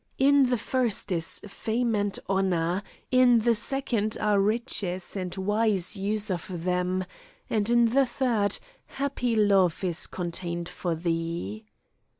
In the first is fame and honour, in the second are riches and wise use of them, and in the third happy love is contained for thee."